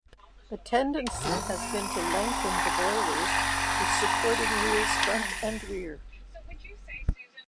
The tendency had been to lengthen the boilers with supporting wheels front and rear.